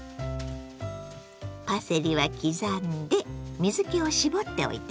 パセリは刻んで水けを絞っておいてね。